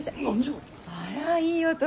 あらいい男！